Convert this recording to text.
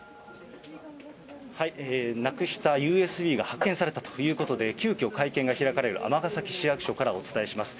なくしたＵＳＢが発見されたということで、急きょ、会見が開かれる尼崎市役所からお伝えします。